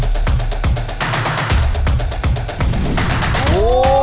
โอ้โห